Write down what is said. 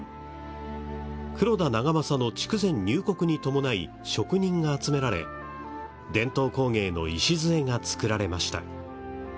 黒田長政の筑前入国に伴い職人が集められ伝統工芸の礎が作られました。